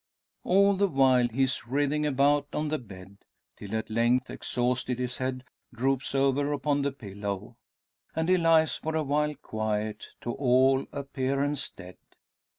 All the while he is writhing about on the bed; till at length, exhausted, his head droops over upon the pillow, and he lies for a while quiet to all appearance dead!